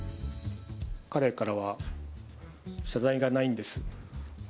彼からは謝罪がないんです。